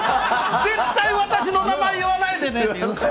絶対私の名前言わないでねって言うんですよ。